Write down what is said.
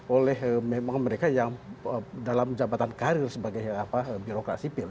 oleh memang mereka yang dalam jabatan karir sebagai birokrat sipil